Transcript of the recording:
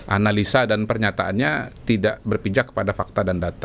analisa dan pernyataannya tidak berpijak kepada fakta dan data